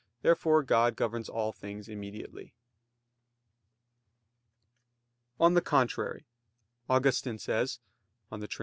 Therefore God governs all things immediately. On the contrary, Augustine says (De Trin.